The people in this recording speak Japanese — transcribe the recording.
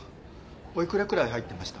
お幾らくらい入ってました？